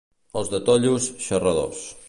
Els de Tollos, xerradors.